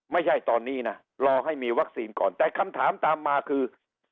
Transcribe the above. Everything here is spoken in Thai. ไม่ใช่ตอนนี้นะรอให้มีวัคซีนก่อนแต่คำถามตามมาคือ